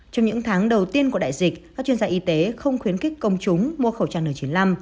trong những tháng đầu tiên của đại dịch các chuyên gia y tế không khuyến khích công chúng mua khẩu trang n chín mươi năm